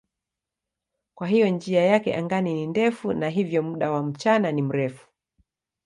Kwa hiyo njia yake angani ni ndefu na hivyo muda wa mchana ni mrefu.